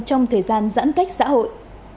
trong thời gian giãn cách xã hội